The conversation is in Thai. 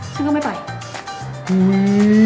ฉันก็ไม่ไป